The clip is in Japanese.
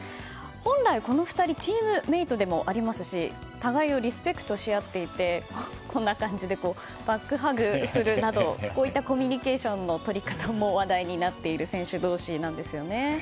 本来、この２人はチームメートでもありますし互いをリスペクトし合っていてこんな感じでバックハグするなどこういったコミュニケーションの取り方も話題になっている選手同士なんですよね。